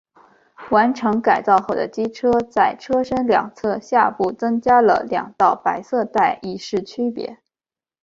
完成改造后的机车在车身两侧下部增加了两道白色带以示区别。